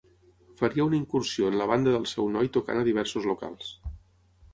Faria una incursió en la banda del seu noi tocant a diversos locals.